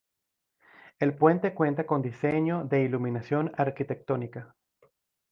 El puente cuenta con diseño de iluminación arquitectónica.